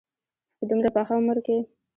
په دومره پاخه عمر کې.